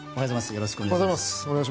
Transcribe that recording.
よろしくお願いします。